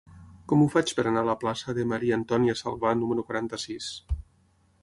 Com ho faig per anar a la plaça de Maria-Antònia Salvà número quaranta-sis?